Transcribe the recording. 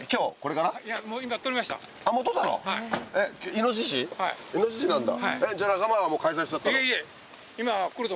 イノシシなんだ。